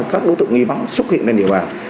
các đối tượng nghi vấn xuất hiện trên địa bàn